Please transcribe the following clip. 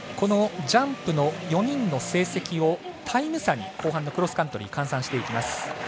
ジャンプの４人の成績をタイム差に後半のクロスカントリー換算していきます。